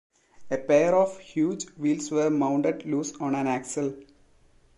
A pair of huge wheels were mounted loose on an axle.